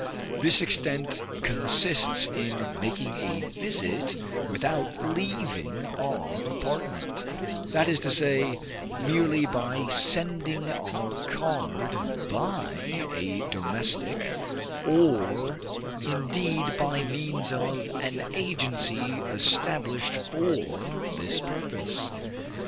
This extent consists in making a visit without leaving our apartment; that is to say, merely by sending our card by a domestic, or indeed by means of an agency established for this purpose.